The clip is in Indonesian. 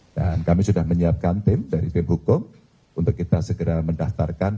dan kami sudah menyiapkan tim dari tim hukum untuk kita segera mendaftarkan